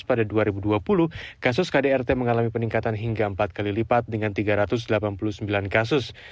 pada dua ribu dua puluh kasus kdrt mengalami peningkatan hingga empat kali lipat dengan tiga ratus delapan puluh sembilan kasus